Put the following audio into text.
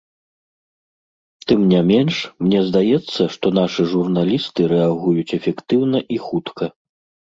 Тым не менш, мне здаецца, што нашы журналісты рэагуюць эфектыўна і хутка.